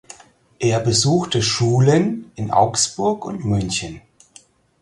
Er besuchte Schulen in Augsburg und München.